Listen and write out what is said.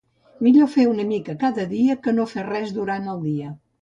Millor fer una mica cada dia que no fer res durant el dia